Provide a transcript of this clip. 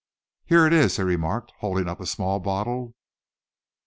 "Here it is," he remarked, holding up a small bottle.